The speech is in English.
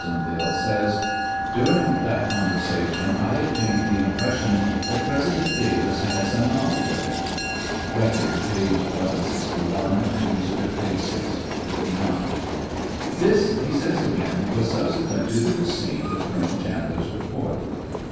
onville, says : During that conversation I obtained the impression that President Davis had some knowl' edge of it. (Record, p. 1161 ; manuscript, p. 659.) " This," he says again, " was subsequent to the receipt of Colonel Chandler's report."